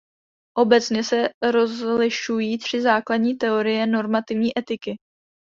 Obecně se rozlišují tři základní teorie normativní etiky.